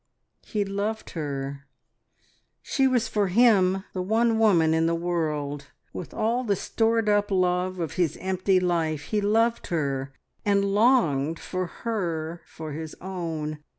He loved her; she was for him the one woman in the world; with all the stored up love of his empty life he loved her, and longed for her for his own.